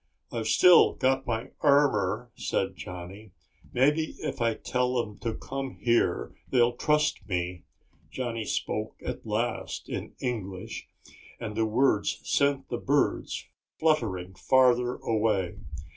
"I've still got my armor," said Johnny. "Maybe if I tell them to come here they'll trust me." Johnny spoke the last in English and the words sent the birds fluttering farther away.